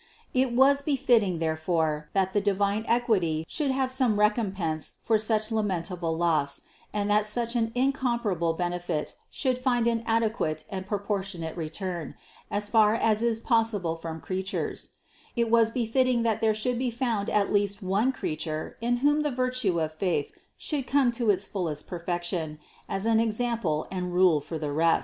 It was befitting therefore, that the divine equity should have some recompense for such lamentable loss, and that such an incomparable benefit should find an adequate and proportionate return, as far as is possible from creatures ; it was befitting that there should be found at least one Creature, in whom the virtue of faith should come to its fullest perfection, as an ex ample and rule for the rest.